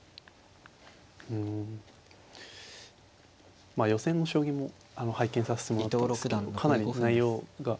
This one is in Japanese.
うん予選の将棋も拝見させてもらったんですけどかなり内容がいい将棋が多くて。